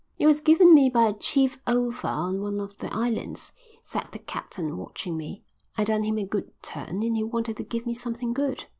"It was given me by a chief over on one of the islands," said the captain, watching me. "I done him a good turn and he wanted to give me something good."